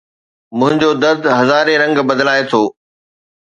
منهنجو درد هزارين رنگ بدلائي ٿو